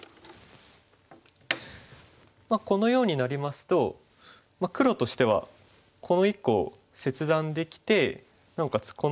まあこのようになりますと黒としてはこの１個を切断できてなおかつ